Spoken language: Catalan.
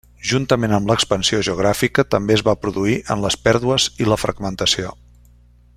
Juntament amb l'expansió geogràfica també es va produir en les pèrdues i la fragmentació.